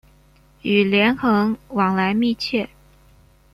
与连横往来密切。